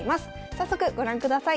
早速ご覧ください。